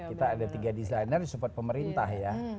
kita ada tiga desainer di support pemerintah ya